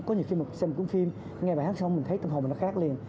có nhiều khi mà xem một cuốn phim nghe bài hát xong mình thấy tâm hồn mình nó khác liền